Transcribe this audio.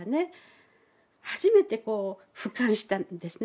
初めてこう俯瞰したんですね